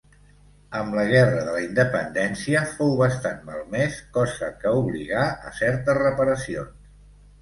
Amb la Guerra de la Independència fou bastant malmès, cosa que obligà a certes reparacions.